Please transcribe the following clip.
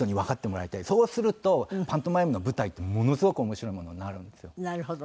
そうするとパントマイムの舞台ってものすごく面白いものになるんですよ。